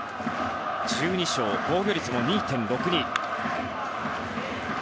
１２勝、防御率も２．６２。